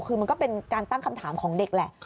คือมันก็เป็นการตั้งคำถามของเด็กแหละ